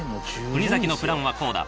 国崎のプランはこうだ。